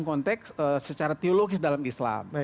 konteks secara teologis dalam islam